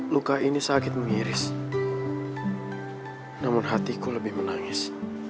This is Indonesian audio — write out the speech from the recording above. luka ini sakit mengiris namun hatiku lebih menangis